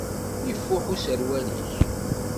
Ifuḥ userwal-ik.